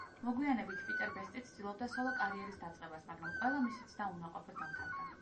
მოგვიანებით პიტერ ბესტი ცდილობდა სოლო კარიერის დაწყებას, მაგრამ ყველა მისი ცდა უნაყოფოდ დამთავრდა.